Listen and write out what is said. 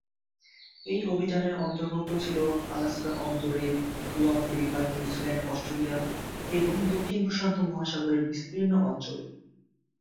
এই অভিযানের অন্তর্ভুক্ত ছিল আলাস্কা অন্তরীপ গুয়াম ফিলিপাইন নিউজিল্যান্ড অস্ট্রেলিয়া এবং দক্ষিণ প্রশান্ত মহাসাগরের বিস্তীর্ণ অঞ্চল।